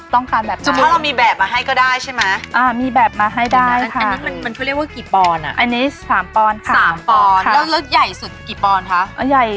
ต้องการแบบนั้นสิ